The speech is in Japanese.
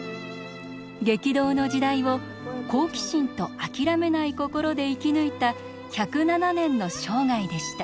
激動の時代を好奇心とあきらめない心で生き抜いた１０７年の生涯でした。